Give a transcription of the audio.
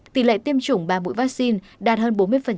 tỷ lệ tiêm chủng ba mũi vaccine đạt hơn bốn mươi